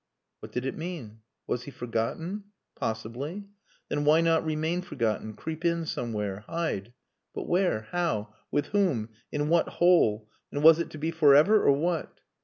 What did it mean! Was he forgotten? Possibly. Then why not remain forgotten creep in somewhere? Hide. But where? How? With whom? In what hole? And was it to be for ever, or what?